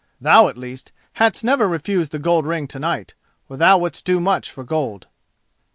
Thou at least hadst never refused the gold ring to night, for thou wouldst do much for gold."